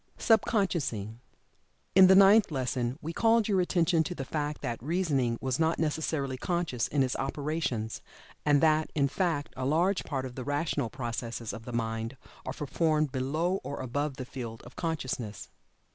SUB CONSCIOUSING. In the Ninth Lesson we called your attention to the fact that Reasoning was not necessarily conscious in its operations, and that, in fact, a large part of the rational processes of the mind are performed below or above the field of consciousness.